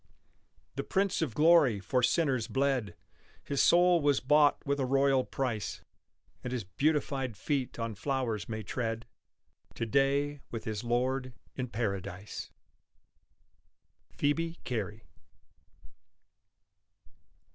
The Prince of Glory for sinners bled; His soul was bought with a royal price; And his beautified feet on flowers may tread To day with his Lord in Paradise. PHOEBE CARY.